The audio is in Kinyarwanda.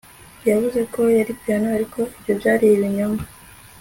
Yavuze ko yari piyano ariko ibyo byari ibinyoma